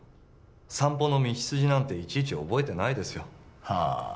散歩の道筋なんていちいち覚えてないですよはあ